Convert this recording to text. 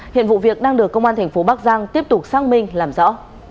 hiện vụ việc đang được công an tp bắc giang tiếp tục xác minh làm rõ